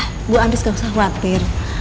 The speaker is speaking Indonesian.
ibu anis gak usah khawatir